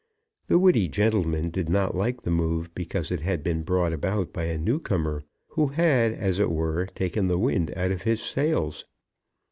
The witty gentleman did not like the move, because it had been brought about by a newcomer, who had, as it were, taken the wind out of his sails.